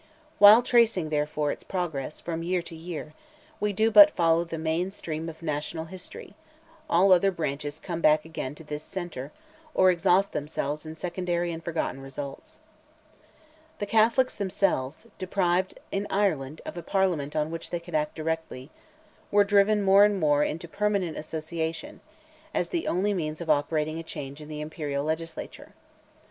While tracing, therefore, its progress, from year to year, we do but follow the main stream of national history; all other branches come back again to this centre, or exhaust themselves in secondary and forgotten results. The Catholics themselves, deprived in Ireland of a Parliament on which they could act directly, were driven more and more into permanent association, as the only means of operating a change in the Imperial legislature.